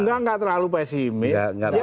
enggak nggak terlalu pesimis